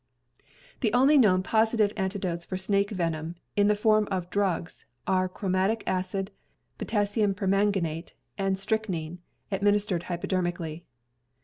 The only known positive antidotes for snake venom, in the form of drugs, are chromic acid, potassium per manganate, and strychnin, administered hypodermically.